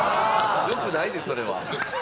良くないでそれは。